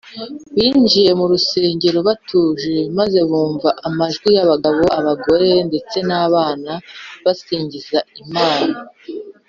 binjiye mu rusengero batuje maze bumva amajwi y’abagabo, abagore ndetse n’abana basingiza imana